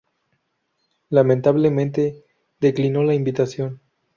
Lamentablemente, declinó la invitación.